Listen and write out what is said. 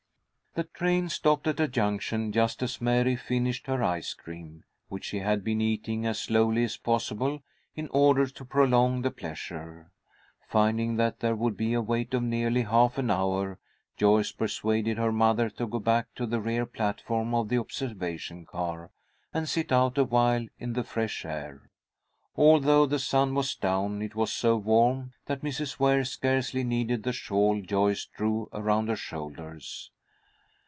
The train stopped at a junction just as Mary finished her ice cream, which she had been eating as slowly as possible, in order to prolong the pleasure. Finding that there would be a wait of nearly half an hour, Joyce persuaded her mother to go back to the rear platform of the observation car, and sit out awhile, in the fresh air. Although the sun was down, it was so warm that Mrs. Ware scarcely needed the shawl Joyce drew around her shoulders.